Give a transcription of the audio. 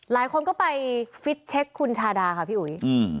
หลายคนก็ไปฟิตเช็คคุณชาดาค่ะพี่อุ๋ยอืม